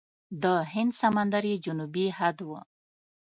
د هند سمندر یې جنوبي حد و.